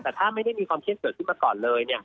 แต่ถ้าไม่ได้มีความเครียดเกิดขึ้นมาก่อนเลย